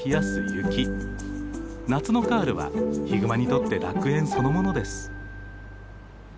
夏のカールはヒグマにとって楽園そのものです。